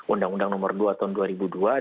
undang undang nomor dua tahun dua ribu dua